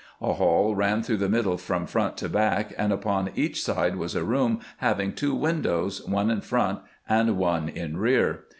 A hall ran through the middle from front to back, and upon each side was a room hav ing two windows, one in front and one in rear.